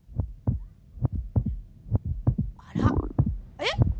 えっ？